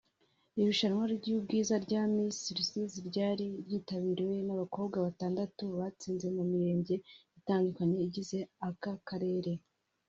Irushanwa ry’ubwiza rya Miss Rusizi ryari ryitabiriwe n’abakobwa batandatu batsinze mu mirenge itandukanye igize aka karere